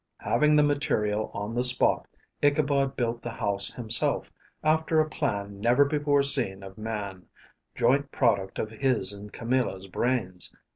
Having the material on the spot, Ichabod built the house himself, after a plan never before seen of man; joint product of his and Camilla's brains.